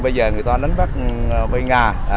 bây giờ người ta đánh bắt vây ngà